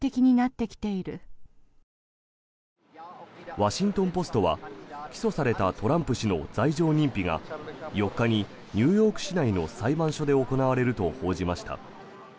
ワシントン・ポストは起訴されたトランプ氏の罪状認否が４日にニューヨーク市内の裁判所で行われると報じました。